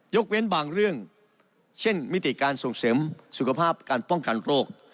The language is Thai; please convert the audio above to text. เว้นบางเรื่องเช่นมิติการส่งเสริมสุขภาพการป้องกันโรค